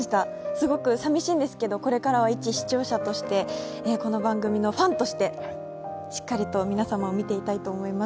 すごく寂しいんですけどこれからは一視聴者としてこの番組のファンとしてしっかりと皆様を見ていたいと思います。